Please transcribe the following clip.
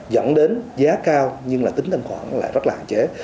dẫn đến giá cao nhưng là tính thanh khoản là rất là hạn chế